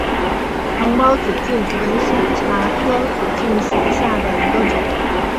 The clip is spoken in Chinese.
长苞紫茎为山茶科紫茎属下的一个种。